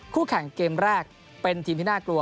แข่งเกมแรกเป็นทีมที่น่ากลัว